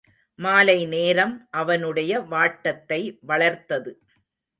மாலை நேரம் அவனுடைய வாட்டத்தை வளர்த்தது.